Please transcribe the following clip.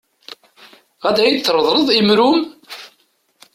Ɣad ad yi-d-tṛeḍleḍ imru-m?